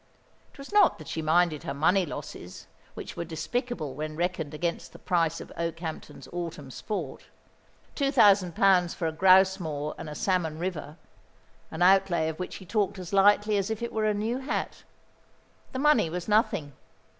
It was not that she minded her money losses, which were despicable when reckoned against the price of Okehampton's autumn sport. Two thousand pounds for a grouse moor and a salmon river an outlay of which he talked as lightly as if it were a new hat. The money was nothing.